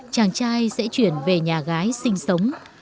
chàng trai sẽ chuyển về nhà gái sinh sống